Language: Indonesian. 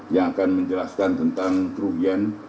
yang akan menjelaskan tentang kerugian